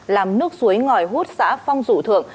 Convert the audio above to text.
làm nước suối ngòi hút xã phong dụ thượng